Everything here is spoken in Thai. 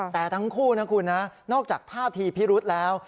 แต่ทั้งคู่นะคุณนะนอกจากท่าทีพิรุษแล้ว